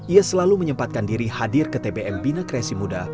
ia selalu menyempatkan diri hadir ke tbm bina kreasi muda